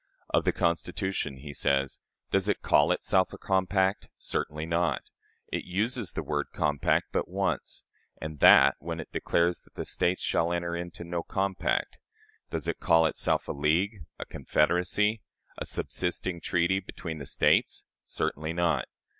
Of the Constitution, he says: "Does it call itself a compact? Certainly not. It uses the word 'compact' but once, and that when it declares that the States shall enter into no compact. Does it call itself a league, a confederacy, a subsisting treaty between the States? Certainly not.